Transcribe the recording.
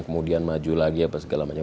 kemudian maju lagi apa segala macam